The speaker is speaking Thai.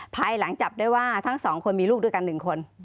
ภายหลังจับได้ว่าทั้งสองคนมีลูกด้วยกัน๑คน